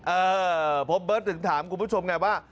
เออผมเบิร์ตถึงถามคุณผู้ชมไงว่า